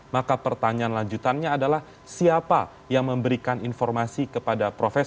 maka pertanyaan lanjutannya adalah siapa yang memberikan informasi kepada profesor